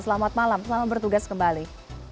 selamat malam selamat bertugas kembali